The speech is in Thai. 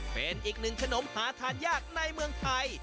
เป็นอีกหนึ่งขนมหาทานยากในเมืองไทย